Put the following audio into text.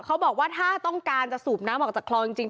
เขาบอกว่าถ้าต้องการจะสูบน้ำออกจากคลองจริง